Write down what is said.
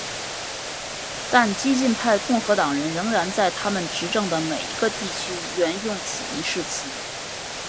但激进派共和党人仍然在他们执政的每一个地区援用此一誓词。